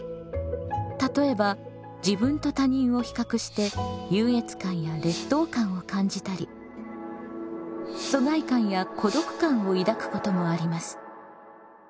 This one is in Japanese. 例えば自分と他人を比較して優越感や劣等感を感じたり疎外感や孤独感を抱くこともあります。